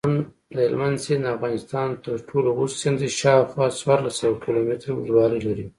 دهلمند سیند دافغانستان ترټولو اوږد سیند دی شاوخوا څوارلس سوه کیلومتره اوږدوالۍ لري.